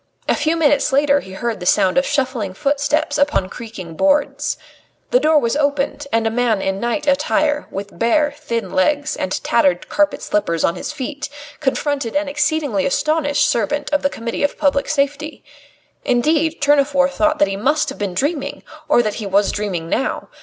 A few minutes later he heard the sound of shuffling footsteps upon creaking boards. The door was opened, and a man in night attire, with bare, thin legs and tattered carpet slippers on his feet, confronted an exceedingly astonished servant of the Committee of Public Safety. Indeed, Tournefort thought that he must have been dreaming, or that he was dreaming now.